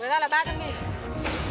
bây giờ em giả cho chị ba trăm linh nghìn đi